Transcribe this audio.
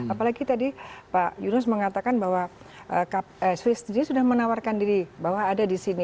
apalagi tadi pak yunus mengatakan bahwa swiss g sudah menawarkan diri bahwa ada disini